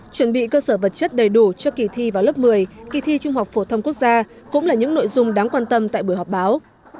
chuẩn bị cơ sở vật chất đầy đủ cho kỳ thi vào lớp một mươi kỳ thi trung học phổ thông quốc gia cũng là những nội dung đáng quan tâm tại buổi họp báo